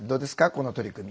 この取り組み。